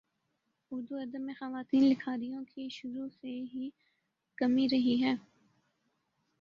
اردو ادب میں خواتین لکھاریوں کی شروع ہی سے کمی رہی ہے